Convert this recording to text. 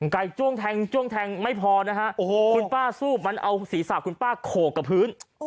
ไก่จ้วงแทงไม่พอคุณป้าสู้มันเอาศีรษะคุณป้าโขกกับพื้น